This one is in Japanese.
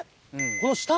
この下？